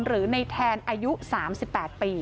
หรือในแทนอายุ๓๘ปี